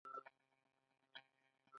دا کار سیستم خوندي ساتي.